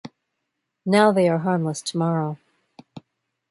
Now they are harmless tomorrow.